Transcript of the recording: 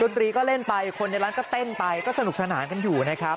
ดรีก็เล่นไปคนในร้านก็เต้นไปก็สนุกสนานกันอยู่นะครับ